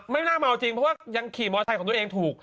ไม่น่าเมาจริงเพราะว่ายังขี่มอเตอร์ของตัวเองถูก